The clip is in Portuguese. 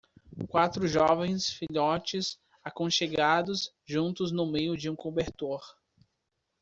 quatro jovens filhotes aconchegados juntos no meio de um cobertor.